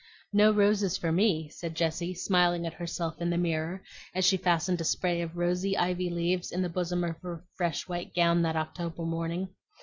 "No roses for me," said Jessie, smiling at herself in the mirror as she fastened a spray of rosy ivy leaves in the bosom of her fresh white gown that October morning.